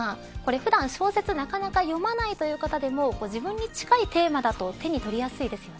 普段、小説をなかなか読まない方でも自分に近いテーマだと手に取りやすいですよね。